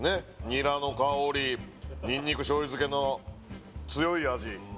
ニラの香りニンニク醤油漬けの強い味